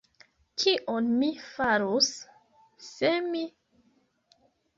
Kion mi farus, se mi…